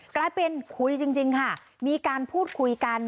กลายเป็นคุยจริงค่ะมีการพูดคุยกัน